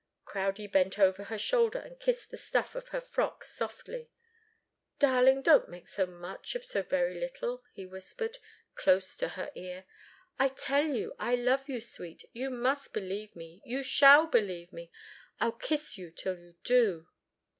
Crowdie bent over her shoulder and kissed the stuff of her frock softly. "Darling! Don't make so much of so very little!" he whispered, close to her ear. "I tell you I love you, sweet you must believe me you shall believe me! I'll kiss you till you do."